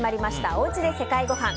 おうちで世界ごはん。